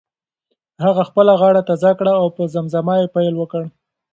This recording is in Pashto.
هغه خپله غاړه تازه کړه او په زمزمه یې پیل وکړ.